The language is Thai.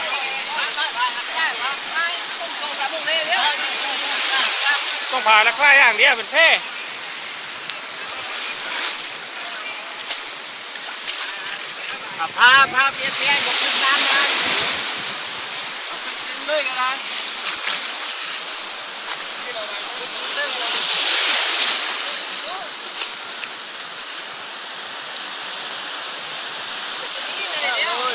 ก็ไม่มีพวกมันเลยก็ไม่มีอะไรแค่สายไหมใช่จริงใจ